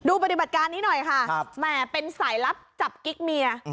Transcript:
ปฏิบัติการนี้หน่อยค่ะแหมเป็นสายลับจับกิ๊กเมีย